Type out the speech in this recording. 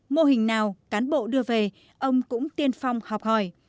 mô hình nào cán bộ đưa về ông cũng tiên phong học hỏi